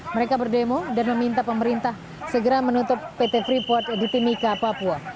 mereka berdemo dan meminta pemerintah segera menutup pt freeport di timika papua